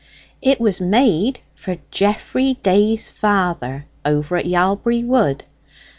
It was made for Geoffrey Day's father, over at Yalbury Wood.